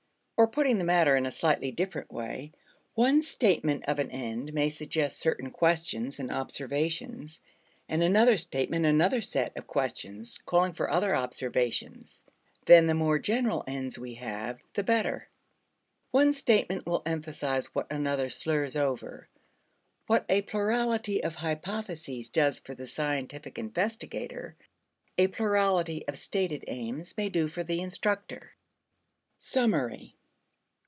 Or, putting the matter in a slightly different way, one statement of an end may suggest certain questions and observations, and another statement another set of questions, calling for other observations. Then the more general ends we have, the better. One statement will emphasize what another slurs over. What a plurality of hypotheses does for the scientific investigator, a plurality of stated aims may do for the instructor. Summary.